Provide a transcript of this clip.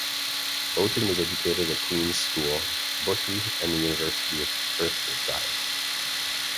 Oaten was educated at Queens' School, Bushey and the University of Hertfordshire.